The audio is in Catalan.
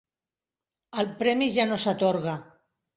El premi ja no s'atorga.